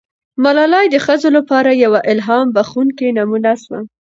ملالۍ د ښځو لپاره یوه الهام بښونکې نمونه سوه.